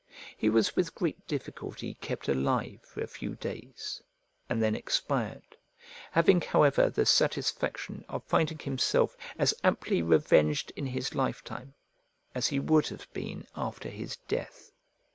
He was with great difficulty kept alive for a few days, and then expired, having however the satisfaction of finding himself as amply revenged in his lifetime as he would have been after his death.